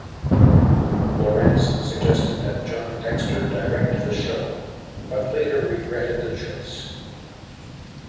Laurents suggested that John Dexter direct the show, but later regretted the choice.